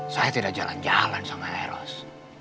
saya tidak jalan jalan sama eros